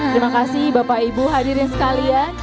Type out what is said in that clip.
terima kasih bapak ibu hadirin sekalian